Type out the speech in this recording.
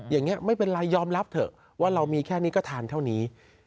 อย่างนี้ไม่เป็นไรยอมรับเถอะว่าเรามีแค่นี้ก็ทานเท่านี้